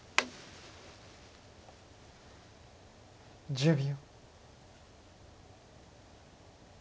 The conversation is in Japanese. １０秒。